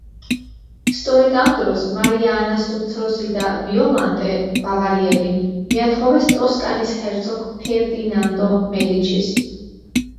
სწორედ ამ დროს, მარია ანას უმცროსი და, ვიოლანტე ბავარიელი მიათხოვეს ტოსკანის ჰერცოგ ფერდინანდო მედიჩის.